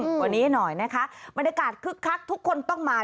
กว่านี้หน่อยนะคะบรรยากาศคึกคักทุกคนต้องมา